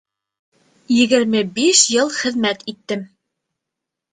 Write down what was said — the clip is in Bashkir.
Егерме биш йыл хеҙмәт иттем!